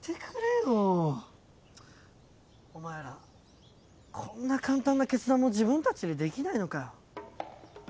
お前らこんな簡単な決断も自分たちでできないのかよ。